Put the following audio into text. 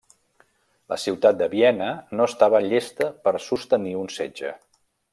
La ciutat de Viena no estava llesta per sostenir un setge.